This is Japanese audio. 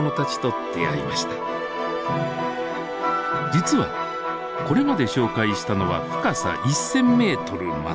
実はこれまで紹介したのは深さ１，０００メートルまで。